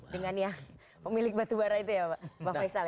dengan yang pemilik batubara itu ya pak faisal